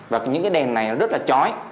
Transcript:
và những cái đèn này nó rất là chói